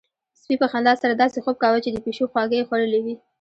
سپي په خندا سره داسې خوب کاوه چې د پيشو خواږه يې خوړلي وي.